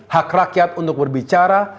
hak rakyat untuk berbicara